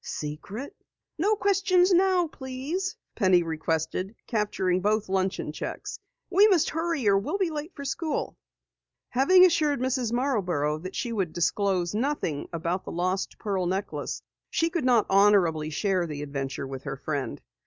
"Secret?" "No questions now, please," Penny requested, capturing both luncheon checks. "We must hurry or we'll be late for school." Having assured Mrs. Marborough that she would disclose nothing about the lost pearl necklace, she could not honorably share the adventure with her friend.